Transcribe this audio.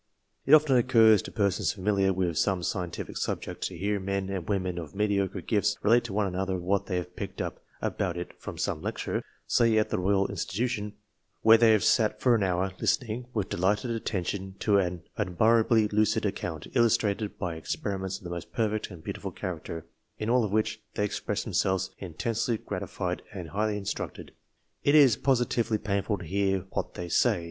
It often occurs to persons familiar with some scientific subject to hear men and women of mediocre gifts relate to one another what they have picked up about it from some lecture say at the Royal Institution, where they have sat for an hour listening with delighted atten tion to an admirably lucid account, illustrated by experi ments of the most perfect and beautiful character, in all of which they expressed themselves intensely gratified and highly instructed. It is positively painful to hear what they say.